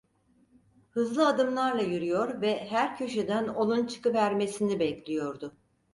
Hızlı adımlarla yürüyor ve her köşeden onun çıkıvermesini bekliyordu.